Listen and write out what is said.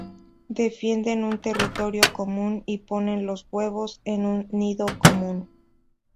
Defienden un territorio común y ponen los huevos en un nido común.